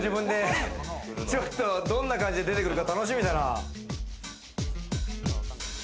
どんな感じで出てくるか楽しみだな。